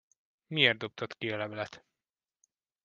Miért dobtad ki a levelet?